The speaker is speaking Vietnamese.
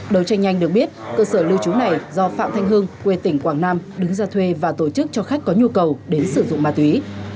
đầu tranh nhanh được biết cơ sở lưu trú này do phạm thanh hưng quê tỉnh quảng nam đứng ra thuê và tổ chức cho khách có nhu cầu đến sử dụng ma túy